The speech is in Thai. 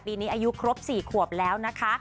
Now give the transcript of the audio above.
ปีนี้อายุครบ๔ขวบแล้วนะคะ